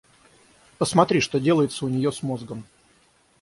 — Посмотри, что делается у нее с мозгом.